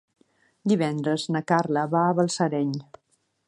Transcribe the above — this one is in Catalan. Divendres na Carla va a Balsareny.